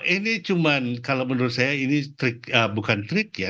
ini cuma kalau menurut saya ini trik bukan trik ya